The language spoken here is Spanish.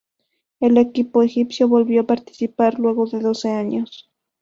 El equipo egipcio volvió a participar luego de doce años.